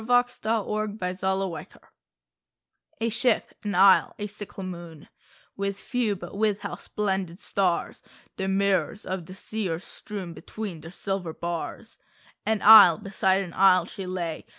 174 A Ship^ an Isle, a Sickle Moon A ship, an isle, a sickle moon — With few but with how splendid stars The mirrors of the sea are strewn Between their silver bars ! An isle beside an isle she lay.